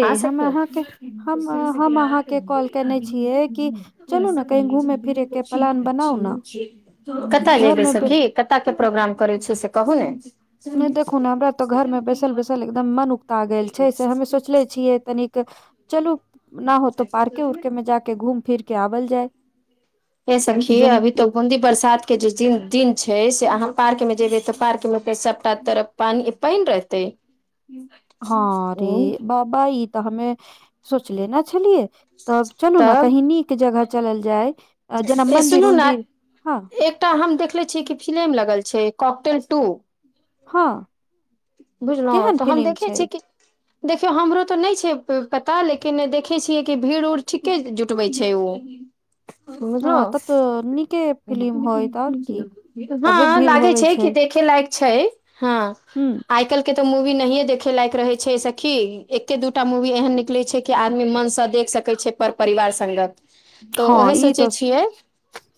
ए ह हम सखी अहाँके [inaudible] [inaudible] हम अ, हम अहाँके कॉल केने छियै कि चलू ने कहीं घूमे फिरे के प्लान बनाउ ने कत घर यबै मे सखी कतय के प्रोग्राम करै छी से कहू ने नय देखु ने हमरा तो घर में बैसल बैसल एकदम मन उगता गेल छै से हमे सोचले छियै तनिक चलू ना होतौ पार्के उर्के में जाके घूम फिर के आबल जाय ये सखी जोन अभी तऽ बूदी बरसात के जे दिन छै से अहाँ पार्क में जेबे तऽ पार्क मे फेर सबटा तरफ पाइन पाइन रहतै हँ हूँ रे बाबा ई तऽ हमे सोचले न छलियै तब चलू ने तब कही नीक जगह चलल जाय जेना ए मदिर सुनू ने उदिर हँ एकटा हम देखले छियै कि फिलम लगल छै कॉकटेल ट ह बुझलहुँ तऽ हम देखै छीय कि देखियौ हमरो तऽ नहि छै पता लेकिन देखै छियै कि भीड़ उड़ ठीके जुटबै छै बझलहु हँ तब तऽ नीके फिलिम होइत और की ह तबे भीड़ लागे होवे छै कि देखे लायक छै ह हू आइ कल्के ते मूवी नहिये देखे लायक रहे छै सखी एके दूटा मूवी एहन निकले छै के आदमी मनै से देख सकैत छै पर परिवार सगत तऽ हँ ओही ई सोचै तऽ छियै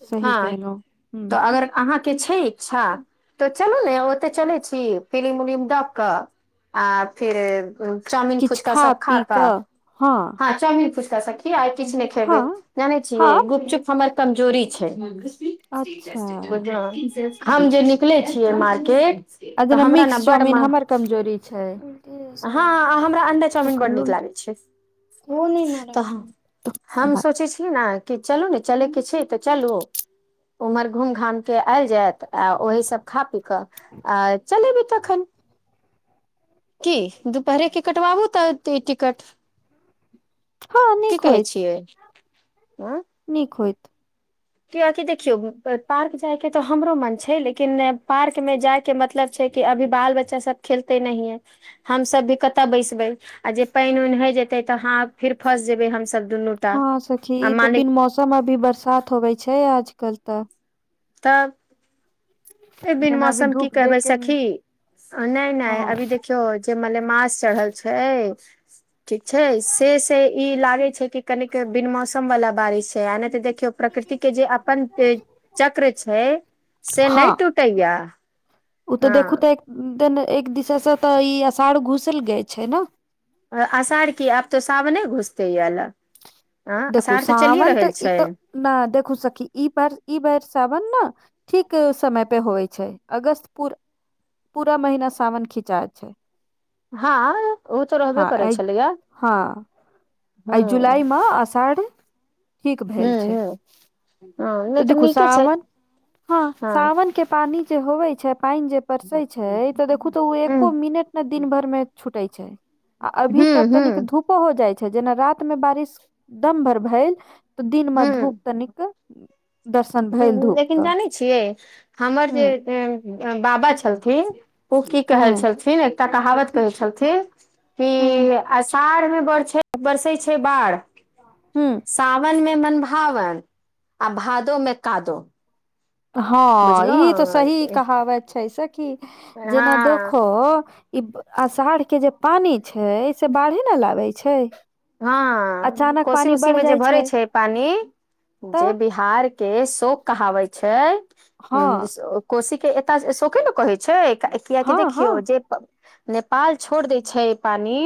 सही ह कहलहुँ हूँ तऽ अगर अहाँकेँ छै इच्छा तऽ चलू ने ओते चलै छी फिलिम उलिम डक कऽ आ फिर चाउमिन फुचका सभ खाकऽ ह चाउमिन फुका सी आ किछु नहि खेबै जाने हँ छियै गुपचुप हमर कमजोरी छै। अच्छा बझले हम जे निकले छियै मार्केट आ तऽ जेना हमरा ने मिक्स बड़ चाउमिन म हमर कमजोरी छै ह हमरा अंडा चाउमिन बड् नीक लागैत छै तऽ हम सोचै छिय ने चलू ने चल किछ तऽ चलू उमर घुम घा के आयल जायत आ ओह सभ खा पी कऽ आ चलेबी तखन कि दुपहरे के कटबाबू तऽ ई टिकट हँ कि नीक कहै होइत छियै आ नीक होइत। कऽ अकि देखियौ पार्क जाय के तऽ हमरो मन छै लेकिन पार्क मे जाय के मतलब छै कि अभी बाल बच्चा सभ खेलते नह है हम सभ भी कतय बैसबे आ जे पानि उान हय जेते तऽ हा फेर फस जेबे हमस दुनू ह सखी ई तो बिन मौसम अभी बरसात होवे छै आजकल तऽ तब। एकदिन जेना अभी मौसम कि धूप देख कहबै के सखी नहि नहि हँ अभी देखि कजे मल मस चढ़ल छै ठीक छै से ई लागै छै कि कनिक बिन मौसम वाला बारिश छै आ नहि तऽ देखियौ प्रकृति के जे अपन चक्र छै से नै हँ टूटेया ओ तऽ देखू तऽ एक दिन एक दिसे से तऽ ई अषाढ़ घुसल गय छै। आसार कि आब तो सावने घुसते यल। देखू सावन तऽ ई छै तऽ नै देखू सखी ई ब ई बार सावन ने ठीक समय पे होई छै। अगस्तपुर पूरा महिना सावन खिचाय छै। हँ ओ तऽ ह रहबे करै छलैया ह हँ एहि जुलाई सर ठीक भेल छै। ह तऽ देखू सावन ह हँ सावन के पानी जे होवे छै पानि जे परसे छै तऽ देखू तऽ ओ हूँ एको मिनट ने दिन भर मे छूटे छै आ अभी हूँ तक हूँ तनिक धूप धप हो जाई छै जेना रात मे बारिश दम भर भेल तऽ दिन मे धूप तनिक दर्शन हा भेल धूप लेकिन क जानै छियै। हमर जे हूँ बाबा छलथिन। ओ की कहे हूँ छलथिन। एकटा कहावत कहे छलथिन कि हूँ अषाढ़ मे बड़ छै। बरसै छै बाढ़ हुँ साावन मे मनभावन आ भादो मे कादो हँ ई तऽ सही बुझलौं कहावत छै सखी जेना हँ देखो ई अषाढ़ के जे पानी छै से बाढ़े नऽ लाबै छै। हँ अचानक कोसी पानी उसी बढ़ मे जे जाइ भरे छै पानी जे तऽ बि हार केँ शोक कहावै छै हँ कोशी केँ एतऽ शके नऽ कहै छै। कियकि हँ हँ देखियौ जे नेपाल छोड़ देय छै पानी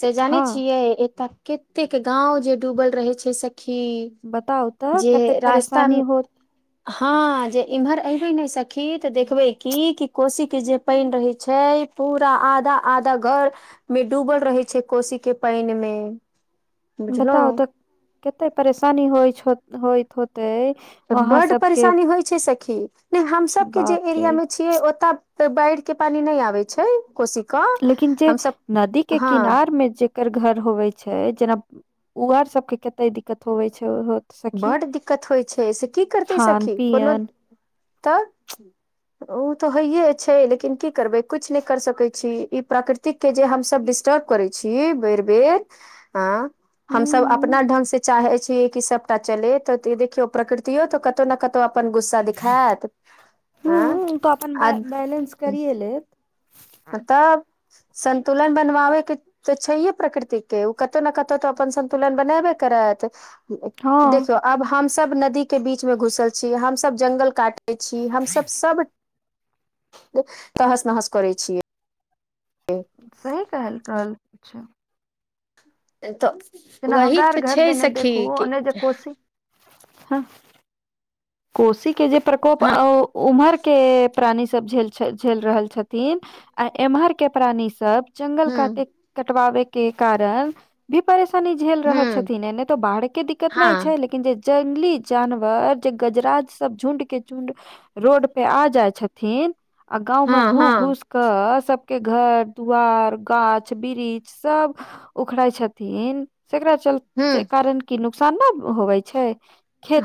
से जाने हँ छियै तऽ कतेक गाँव जे डूबल रहे छै सखी बताउ तऽ जे कतेक रास्ता परेशानी हो हँ जे इम्हर ऐबैे नऽ सखी तऽ देखबै की कि कोशी केँ जे पाइन रहै छै पूरा आधा आधा घर मे डूबल रहे छै। कोशी केँ पाइन मे बताउ बुझलौं तऽ कते परेशानी होइछ हो- होइत होतै बड्ड परेशानी होइ छै। सखी नय हमसब केँ जे बाप रे एरिया मे छियै। ओतऽ तऽ बाढ़ केँ पानी नय आबै छै कोशी कऽ लेकिन जे हमसभ नदी केँ हँ किनार मे जे कर घर होवै छै। जेना उ आर सब केँ कते दिक्कत होवय छै होत सखी बड्ड दिक्कत होइ छै। एहि सँ की करतै खान सखी कोनो पियन तऽ [inaudible] ओ तऽ होइये छै। लेकिन की करबै किछ नय कर सकै छी। ई प्राकृतिक केँ जे हमसब डिस्टर्ब करै छी। बेर - बेर अ हमसब हूँ अपना ढंग से चाहे छिये कि सब चले तऽ ई देखियो प्रकृतियो तऽ कतौ ने कतौ अपन गुस सा दिखायत आ करिए लेले हँ तब संन्तुलन बनवाबै केँ तऽ छैहे। प्रकृतिक केँ उ कतहु नऽ कतहु तऽ अपन संन्तुलन बनाबे करत। हँ देखियौ अब हमस नदी केँ बीच म घुसल छी। हमसब जंगल काट छी हमसभ सभ तहस नहस करै छियै। सही कहल रहल छै। एतऽ जेना हमरा आर घर देने देखु ओने जे कोशी ह कोशी केँ जे प्रकोप हँ ओ उम्हर केँ प्राणी सब झेल झेल रहल छथिन। आ एम्हर केँ प्राणी सब जंगल हूँ काटे कटवाबे केँ कारण भी परेशानी झेल रहल हूँ छथिन। एने तो बाढ़ केँ दिक्कत नय छै। हँ लेकिन जे जंगली जानवर जे गजराज सब झुण्ड केँ झुण्ड रोड पे आ जाय छथिन। आ गाँंव मऽ हँ घू - हँ घूस कऽ सब केँ घर दुवार गाछ वृक्ष सब। उखड़ै छथिन तेकरा चल हूँ ते कारण की नुकसान नय होबै छै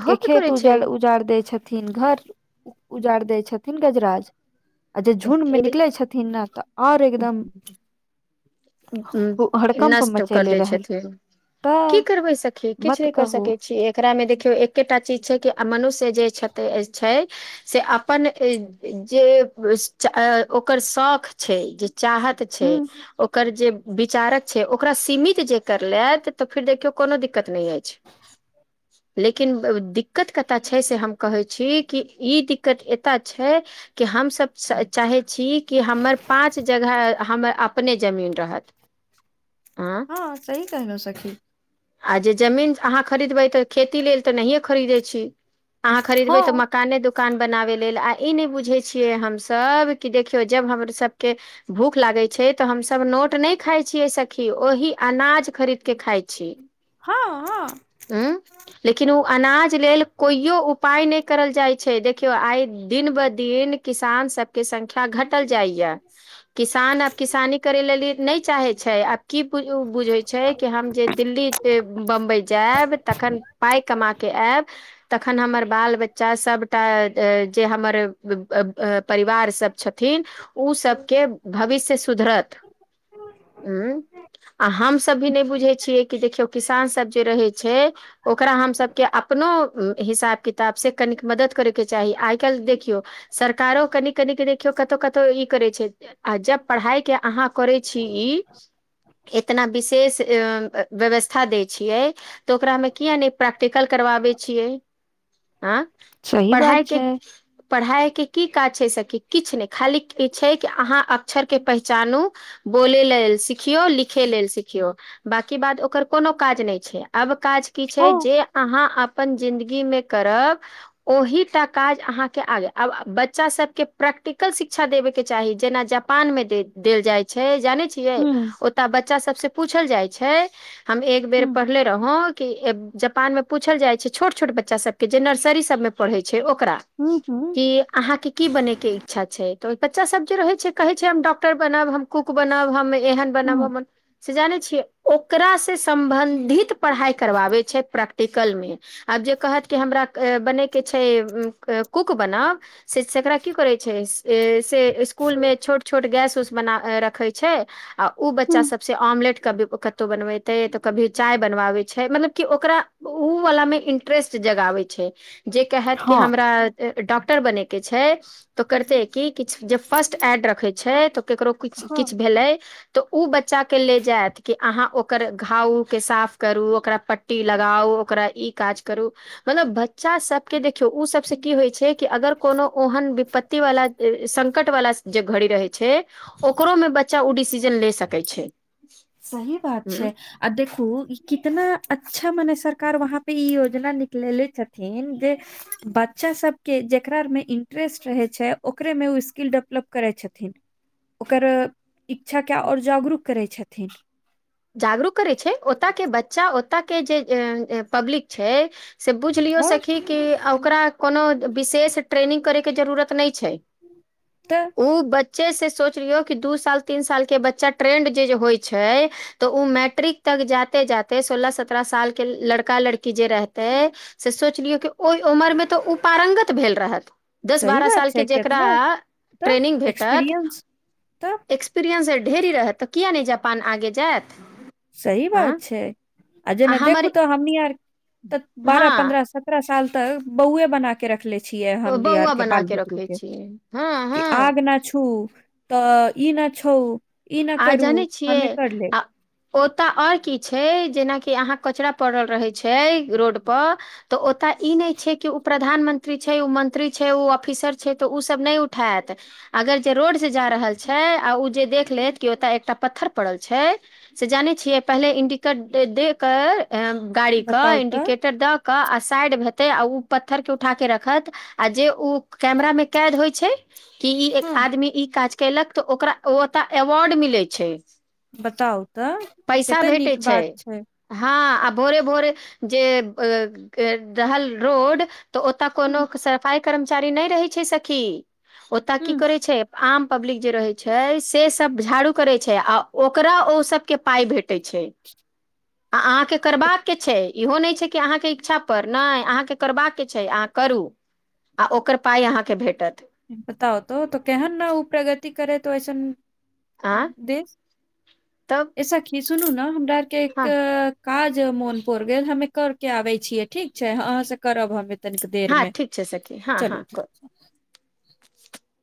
होबे करै छै उजा उजार दै छथिन घर उजार दै छथिन गजराज आ जे झुण्डमे निकलै छथिन। नऽ तऽ आओर एकदम हड़कम्प नष्ट कर मचयले दै रहै छथिन की करबै सखी किछु नय कर सकै छीय एक एकरा मे देखियौ एकेटा चीज छै कि मनुष्य जे छै से अपन जे ओकर शौख छै जे चाहत छै हू ओकर जे विचारक छै ओकरा सीमित जे करलेथ तऽ फेर देखियौ कोनो दिक्कत नय ऐछ [inaudible] [inaudible] लेकिन दिक्कत कतय छै से हम कहैत छी कि ई दिक्कत एतय छै कि हमसभ चाहै छी कि हमर पाँच जगह हम अपने जमीन रहत आँ हँ सही कहलो सखी आ जे जमीन अहाँ खरीदबै तऽ खेती लेल तऽ नहिए खरीदै छी अहाँ खरीदबे हँ तऽ मकाने दु कान बनाबै लेल आ ई नय बुझै छियै हमसभ कि देखियौ जब हमर सभके भूख लागै छै तऽ हमस नोट नय खााय छीयै। सखी ओहि अनाज खरीद के खाय छी हँ हँ उं लेकिन ओ अनाज लेल कोइयो उपाय नय करल जाइ छै देखियो आइ दिन ब दिन किसान सबके संख्या घटल जाइए किसान अप किसानी करै लेल नहि चाहै छै आब की बुझै छै कि हम जे दिल्ली बम्बई जायब तखन पाइ कमा के आयब तखन हमर बाल बच्चा सबटा जे हमर परिवार सब छथि थिन ओ सबके भविष्य सुधरत ह आ हम सब भी नय बुझे छियै कि देखियौ किसान सब जे रहे छै ओकरा हम सबके अपनो हिसाब किताबसँ कनिक मदद करैके चाही आइ काल्ह देखियौ सरकारो कनी कन क देखियौ कतो कतो ई करै छै आ जब पढ़ाइके अहाँ करै छी ई एतना विशेष अ व्यवस्था दै छियै तऽ ओकरा मे किया नय प्रैक्टिकल करबाबै छियै आँ सही पढ़ाई बात के छै पढ़ाइ के की काज छै सब कि किछु नय खाली ई छै कि अहाँ अक्षर के पहचानू बोले लेल सिखियौ लिखे लेल सिखियौ बाकि बात ओकर कोनो काज नय छै अब काज की छै हँ जे अहाँ अपन जिन्दगी मे करब ओहिटा काज अहाँके आगे आब बच्चा सबके प्रैक्टिकल शिक्षा देबेके चाही जेना ज पान मे दे देल जाइ छै जानै छियै हूँ ओतऽ बच्चा सबसँ पूछल जाइ छै हम एक बेर हूँ पढ़ले रहों के जापान में पूछल जाय छै छोट छोट बच्चा सब के जे नर्सरी सब में पढ़े छै ओकरा हूँ हूँ कि अहाँके की बनैके इच्छा छै तऽ ओ बच्चा सब जे रहै छै कहै छै हम डॉक्टर बनब हम कुक बनब हम एहन बनब हूँ हम से जानै छियै ओकारा से सम्बन्धित पढ़ाइ करबाबै छै प्रैक्टिकल मे आब जे कहत कि हमरा बनयके छै कूक बनाब शिकरा की करै छै से इसकुल मे छोट छोट गैस उस बना रखै छै आ ओ बच्चा हूँ सभसँ ऑमलेट की कतहु बनबतै तऽ कभी चाय बनवाबैत छै मतलब कि ओकरा ओ-अ-वलामे इंट्रेस्ट जगाबै छै जे कहत कि हँ हमरा डॉक्टर बनै के छै तो करते कि किछ जेब फर्स्ट एड रखे छै तऽ केकरो कुछ हँ किछ भेलै। तऽ ओ बच्चाक के ले जायत कि अहाँ ओकर घाव-उ के साफ करू ओकरा प- ट्टी लगाउ ओकरा ई काज करू मतलब बच्चा सबके देखियौ ओ सब से की होइ छै। अगर कोनो ओहन विपत्ति वला संकट वला जगह घड़ी रहै छै ओकरोमे बच्चा ओ डिसीजन ले सकै छै सही बात ह छै आओ देखू ई कितना अच्छा मने सरकार वहाँपर ई योजना निकलेले छथिन जे बच्चा सबके जेकरामे इंट्रेस्ट रहै छै ओकरेमे ओ स्किल डेवलप करै छथिन ओकर इच्छा के आओर जागरूक करै छथिन जागरूक करै छै ओतयके बच्चा ओतऽ के जे पब्लिक छै से बुझ लियौ हँ सखी कि ओकरा कोनो विशेष ट्रेनिंग करैके जरूरत नहि छै तऽ ओ बच्चे से सोचलियो कि दू साल तीन साल के बच्चा ट्रेंड जे जे होइ छै तऽ ओ मैट्रिक तक जाते जाते सोलह सत्ररह सालके लड़का लड़की जे रहतै से सोच लियौ कि ओहि उमरमे तऽ ओ प्रांगत भेल रहत दस सही बारह बात सालके छै जेकरा केतना तऽ ट्रेनिंग भेटत एक्सपीरियंस तऽ एक- एक्सपीरियन्स ढेरी रहत तऽ किए नहि जापान आगे जायत सही हँ बात छै आ जेना देखू तऽ हमनी आर तऽ बारह हँ पन्द्रह साल सतरह साल तक बौऐ बना कऽ के रखले छियै ओ, हमरि आर बौआ के बना बाल बुतरू रखै के छियै हँ कि हँ आग न छू तऽ ई ने छूअ आ जानै छियै आ ओतय आओर की छै जेनाकि अहाँ कचरा पड़ल रहै छै रोडपर तऽ ओतय ई नहि छै कि ओ प्रधानमंत्री छै ओ मन्त्री छै ओ ऑफिसर छै तऽ ओ सब नहि उठात अगर जे रोड से जा रहल छै आ ओ जे देख लेत ओतय एकटा पत्थर पड़ल छै से जाने छियै पहिले इंडिकेट दे कर ऐं- गाड़ीके बताउ तऽ इंडिकेटर दऽ कऽ आ साइड हेतै आ-ओ पत्थरके उठाके रखत आ जे ओ कैमरामे कैद होइ छै कि ई एक हँ आदमी ई काज कयलक तऽ ओकरा ओतय अवार्ड मिलै छै बताउ तऽ कते नीक बात छै हाँ आ भोरे भोरे जे के-आ-रहल रोड तऽ ओतऽ हूँ कोनो सफाई कर्मचारी नहि रहै छै सखी ओतऽ की हूँ करै छै आम पब्लिक जे रहै छै से- सब झाड़ू करै छै आ ओकरा ओ सबके पाइ भेटै छै [inaudible] आ-आ-अहाँके करबाक छै इहो नहि छै कि अहाँके इच्छा पर नहि अहाँके करबाक छै अहाँ करू आ ओकर पाइ अहाँके भेटत बताउ तो तऽ केहन न ओ प्रगति करे तऽ ओऐसन आ तब देस-ऐ सखी सुनू ने हमरा आरके एक हँ काज मोन पर गेल हमे करके आबै छियै ठीक छै अहाँ से करब हम तनिक हँ देरमे ठीक छै सखी हँ हँ चलू